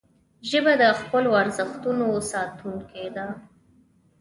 ژبه د خپلو ارزښتونو ساتونکې ده